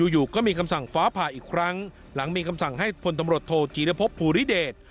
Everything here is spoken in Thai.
อยู่ก็มีคำสั่งฟ้าผ่าอีกครั้งหลังมีคำสั่งให้พลตำรวจโทจีรพบภูริเดช